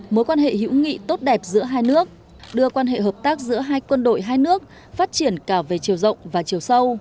mối quan hệ hữu nghị tốt đẹp giữa hai nước đưa quan hệ hợp tác giữa hai quân đội hai nước phát triển cả về chiều rộng và chiều sâu